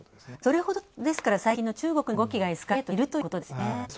それほど、ですから最近の中国の動きがエスカレートしているということですよね。